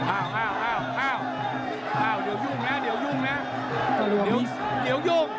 อ้าวเดี๋ยวยุ่งนะเดี๋ยวยุ่งนะเดี๋ยวยุ่ง